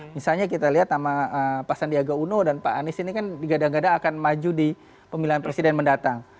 misalnya kita lihat nama pak sandiaga uno dan pak anies ini kan digadang gadang akan maju di pemilihan presiden mendatang